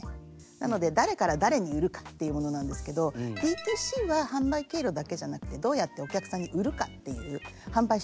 なので誰から誰に売るかっていうものなんですけどＤ２Ｃは販売経路だけじゃなくてどうやってお客さんに売るかっていう販売手段みたいなことを言っています。